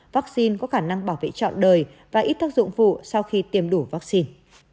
vắc xin có khả năng bảo vệ trọn đời và ít tác dụng vụ sau khi tiêm đủ vắc xin